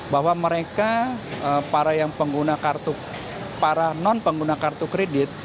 bahwa mereka para non pengguna kartu kredit